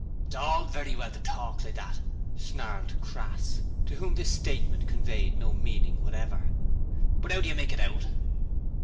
'It's all very well to talk like that,' snarled Crass, to whom this statement conveyed no meaning whatever. 'But 'ow do you make it out?'